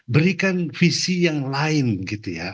berikan visi yang lain gitu ya